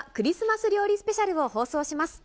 スペシャルを放送します。